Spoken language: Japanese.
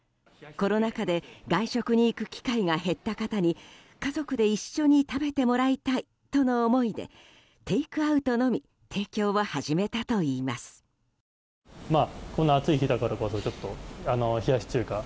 コロナ禍で外食に行く機会が減った方に家族で一緒に食べてもらいたいとの思いでテイクアウトのみ提供を始めたといいます。